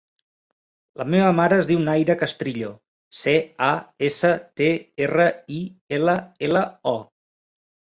La meva mare es diu Nayra Castrillo: ce, a, essa, te, erra, i, ela, ela, o.